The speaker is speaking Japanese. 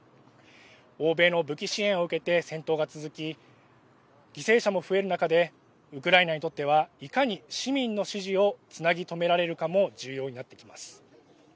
欧米の武器支援を受けて戦闘が続き犠牲者も増える中でウクライナにとってはいかに市民の支持をつなぎ止められるかも重要になってきます。